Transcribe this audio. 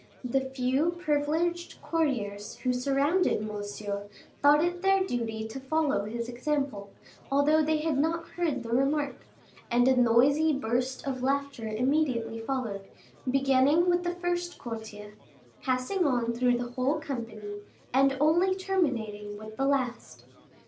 The few privileged courtiers who surrounded Monsieur thought it their duty to follow his example, although they had not heard the remark, and a noisy burst of laughter immediately followed, beginning with the first courtier, passing on through the whole company, and only terminating with the last.